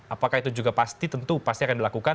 apakah itu juga pasti tentu pasti akan dilakukan